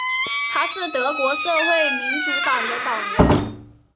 他是德国社会民主党的党员。